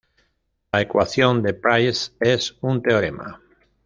La ecuación de Price es un teorema.